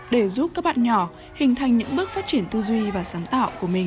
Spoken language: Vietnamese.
để giúp các bạn nhỏ hình thành những bước phát triển tư duy và sáng tạo của mình